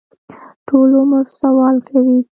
ټول عمر سوال کوي.